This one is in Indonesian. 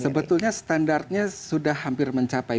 sebetulnya standarnya sudah hampir mencapai